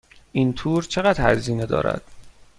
این تور چقدر هزینه دارد؟